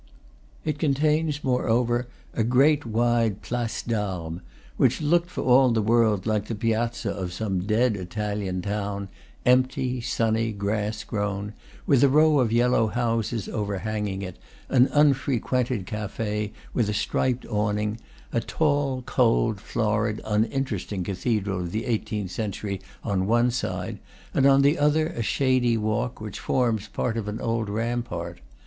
It contains, moreover, a great wide place d'armes, which looked for all the world like the piazza of some dead Italian town, empty, sunny, grass grown, with a row of yellow houses overhanging it, an unfrequented cafe, with a striped awning, a tall, cold, florid, uninteresting cathedral of the eighteenth century on one side, and on the other a shady walk, which forms part of an old rampart.